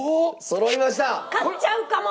そろいました！